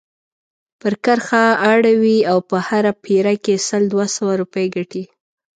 پر کرښه اړوي او په هره پيره کې سل دوه سوه روپۍ ګټي.